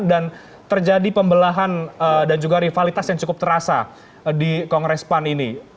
dan terjadi pembelahan dan juga rivalitas yang cukup terasa di kongres pan ini